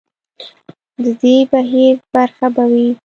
د دې بهیر برخه به وي.